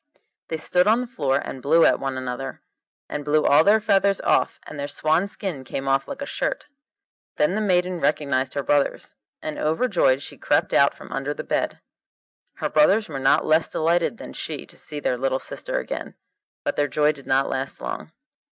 They stood on the floor and blew at one another, and blew all their feathers off, and their swan skin came off like a shirt. Then the maiden recognised her brothers, and overjoyed she crept out from under the bed. Her brothers were not less delighted than she to see their little sister again, but their joy did not last long.